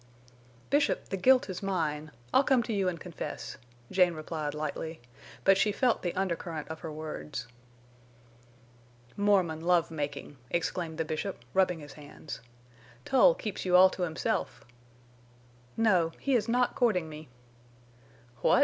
"Bishop, the guilt is mine. I'll come to you and confess," Jane replied, lightly; but she felt the undercurrent of her words. "Mormon love making!" exclaimed the Bishop, rubbing his hands. "Tull keeps you all to himself." "No. He is not courting me." "What?